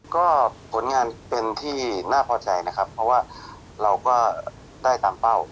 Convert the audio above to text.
ก็ผลงานเป็นที่น่าพอใจนะครับเพราะว่าเราก็ได้ตามเป้า